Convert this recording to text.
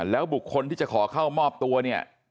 แล้วบุคคลที่จะขอเข้ามอบตัวเนี่ย